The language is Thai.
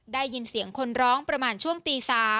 ได้ยินเสียงคนร้องประมาณช่วงตี๓